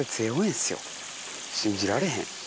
信じられへん。